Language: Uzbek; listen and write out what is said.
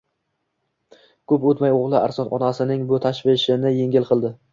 Koʻp oʻtmay oʻgʻli Arslon onasining bu tashvishini yengil qildi.